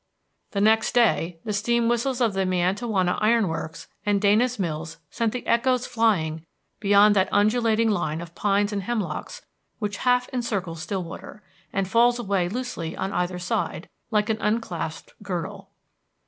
The next day the steam whistles of the Miantowona Iron Works and Dana's Mills sent the echoes flying beyond that undulating line of pines and hemlocks which half encircles Stillwater, and falls away loosely on either side, like an unclasped girdle.